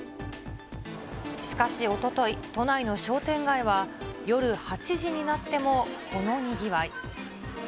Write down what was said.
しかしおととい、都内の商店街は、夜８時になってもこの賑わい。